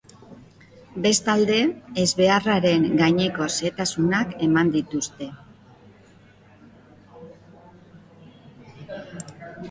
Bestalde, ezbeharraren gaineko xehetasunak eman dituzte.